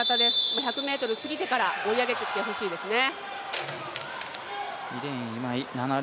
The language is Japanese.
１００ｍ過ぎてから追い上げてきてほしいですね。